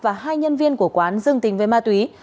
và hai nhân viên của quán dương tình với ma túy